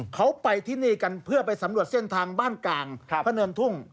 เขาไปที่นี่กันเพื่อไปสำรวจเส้นทางบ้านกลางพระเนินทุ่ง